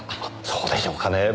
そうでしょうかねぇ。